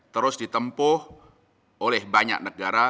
terus ditempuh oleh banyak negara